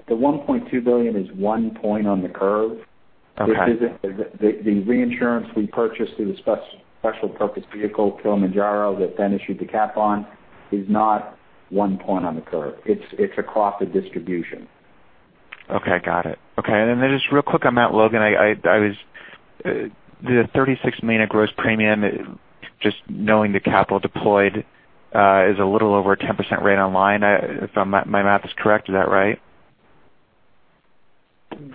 $1.2 billion is one point on the curve. Okay. The reinsurance we purchased through the special purpose vehicle, Kilimanjaro, that issued the cat bond, is not one point on the curve. It's across the distribution. Okay, got it. Okay, just real quick on Mount Logan. The $36 million of gross premium, just knowing the capital deployed, is a little over a 10% rate on line, if my math is correct. Is that right?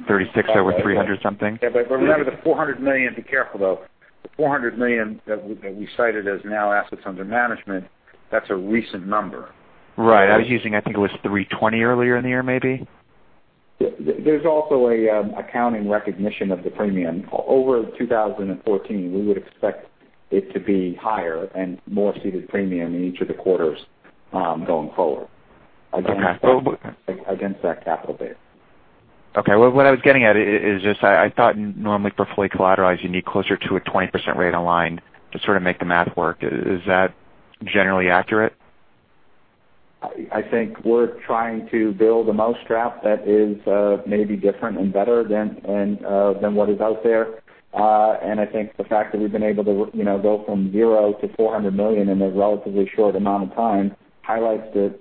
36 over 300 something. Yeah, remember the $400 million. Be careful, though. The $400 million that we cited as now assets under management, that's a recent number. Right. I was using, I think it was $320 earlier in the year, maybe. There's also an accounting recognition of the premium. Over 2014, we would expect it to be higher and more ceded premium in each of the quarters going forward against that capital base. Okay. Well, what I was getting at is just I thought normally for fully collateralized, you need closer to a 20% rate on line to sort of make the math work. Is that generally accurate? I think we're trying to build a mousetrap that is maybe different and better than what is out there. I think the fact that we've been able to go from zero to $400 million in a relatively short amount of time highlights that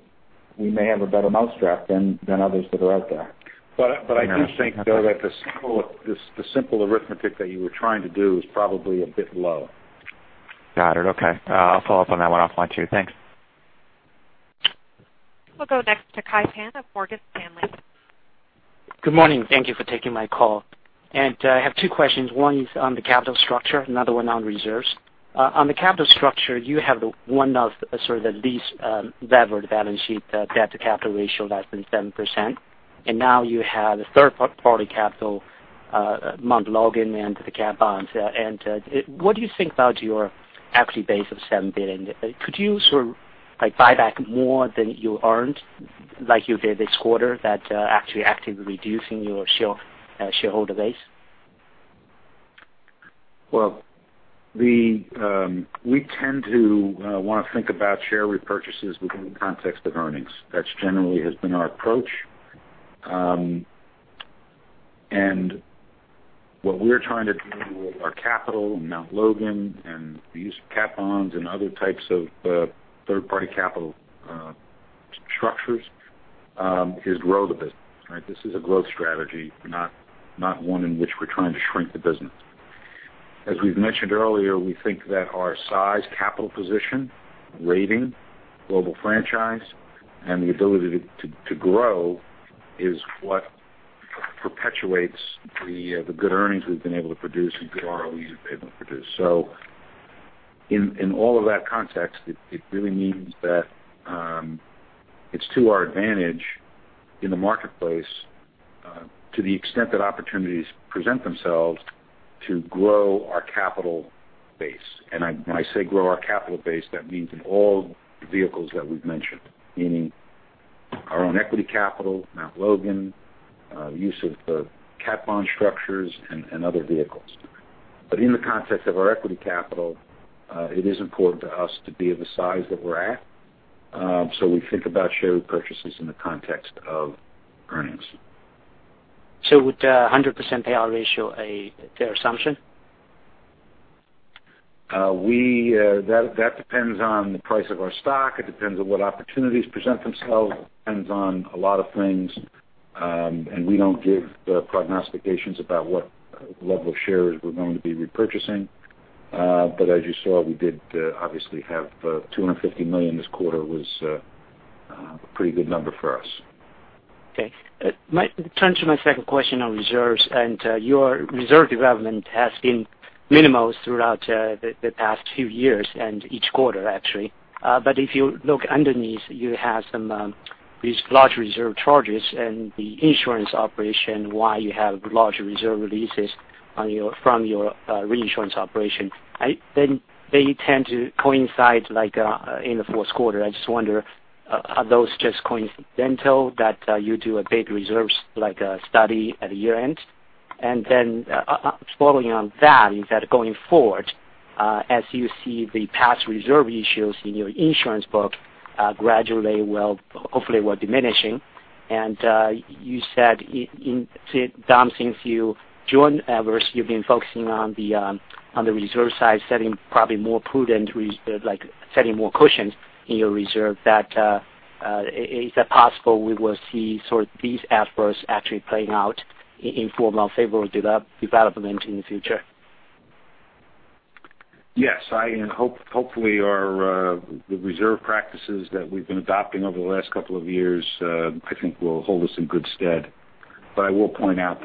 we may have a better mousetrap than others that are out there. I do think, though, that the simple arithmetic that you were trying to do is probably a bit low. Got it. Okay. I'll follow up on that one offline, too. Thanks. We'll go next to Kai Pan of Morgan Stanley. Good morning. Thank you for taking my call. I have two questions. One is on the capital structure, another one on reserves. On the capital structure, you have one of sort of the least levered balance sheet, debt to capital ratio less than 7%. Now you have a third-party capital, Mt. Logan and the cat bonds. What do you think about your equity base of $7 billion? Could you sort of buy back more than you earned like you did this quarter that actually actively reducing your shareholder base? Well, we tend to want to think about share repurchases within the context of earnings. That generally has been our approach. What we're trying to do with our capital and Mt. Logan and the use of cat bonds and other types of third-party capital structures is grow the business. This is a growth strategy, not one in which we're trying to shrink the business. As we've mentioned earlier, we think that our size, capital position, rating, global franchise, and the ability to grow is what perpetuates the good earnings we've been able to produce and good ROE we've been able to produce. In all of that context, it really means that it's to our advantage in the marketplace to the extent that opportunities present themselves to grow our capital base. When I say grow our capital base, that means in all the vehicles that we've mentioned, meaning our own equity capital, Mt. Logan, use of cat bond structures, and other vehicles. In the context of our equity capital, it is important to us to be of the size that we're at. We think about share repurchases in the context of earnings. Would 100% payout ratio a fair assumption? That depends on the price of our stock. It depends on what opportunities present themselves. It depends on a lot of things. We don't give prognostications about what level of shares we're going to be repurchasing. As you saw, we did obviously have $250 million this quarter, was a pretty good number for us. Okay. Turning to my second question on reserves, your reserve development has been minimal throughout the past few years and each quarter, actually. If you look underneath, you have some large reserve charges and the insurance operation, why you have large reserve releases from your reinsurance operation. They tend to coincide, like in the fourth quarter. I just wonder, are those just coincidental that you do a big reserve study at year-end? Following on that, is that going forward as you see the past reserve issues in your insurance book gradually will, hopefully, diminishing. You said, Dom, since you joined Everest, you've been focusing on the reserve side, setting probably more prudent, setting more cushions in your reserve. Is that possible we will see sort of these efforts actually playing out in more favorable development in the future? Yes. Hopefully the reserve practices that we've been adopting over the last couple of years, I think will hold us in good stead. I will point out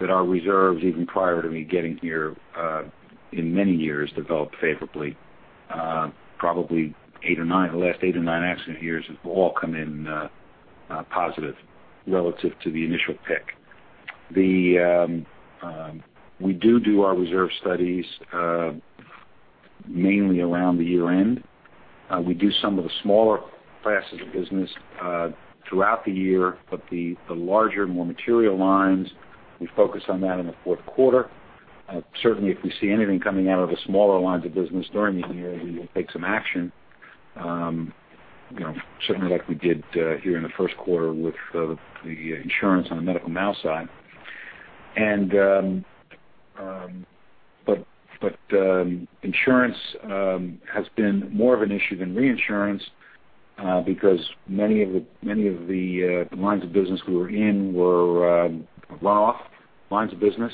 that our reserves, even prior to me getting here, in many years developed favorably. Probably the last eight or nine accident years have all come in positive relative to the initial pick. We do our reserve studies mainly around the year-end. We do some of the smaller classes of business throughout the year, but the larger, more material lines, we focus on that in the fourth quarter. Certainly, if we see anything coming out of the smaller lines of business during the year, we will take some action. Certainly like we did here in the first quarter with the insurance on the medical mal side. Insurance has been more of an issue than reinsurance because many of the lines of business we were in were runoff lines of business.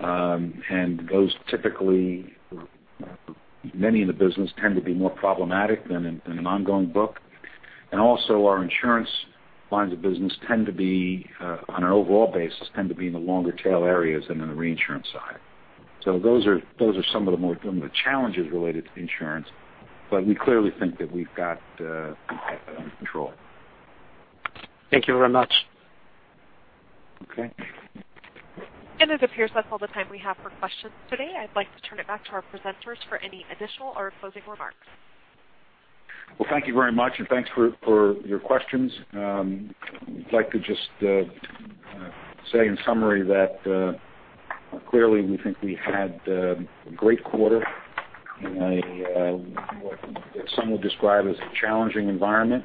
Those typically, many in the business tend to be more problematic than an ongoing book. Also our insurance lines of business, on an overall basis, tend to be in the longer tail areas than in the reinsurance side. Those are some of the challenges related to insurance, but we clearly think that we've got that under control. Thank you very much. Okay. It appears that's all the time we have for questions today. I'd like to turn it back to our presenters for any additional or closing remarks. Well, thank you very much and thanks for your questions. I'd like to just say in summary that clearly we think we had a great quarter in what some would describe as a challenging environment.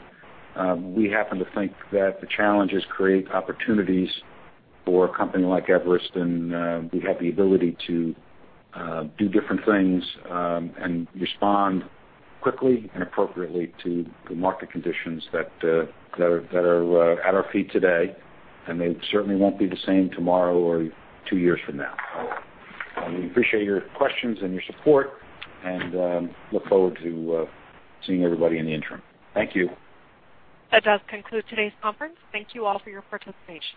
We happen to think that the challenges create opportunities for a company like Everest, and we have the ability to do different things and respond quickly and appropriately to the market conditions that are at our feet today, and they certainly won't be the same tomorrow or two years from now. We appreciate your questions and your support, and look forward to seeing everybody in the interim. Thank you. That does conclude today's conference. Thank you all for your participation.